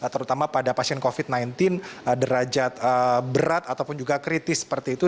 terutama pada pasien covid sembilan belas derajat berat ataupun juga kritis seperti itu